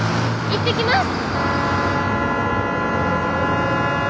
行ってきます！